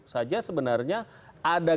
saja sebenarnya ada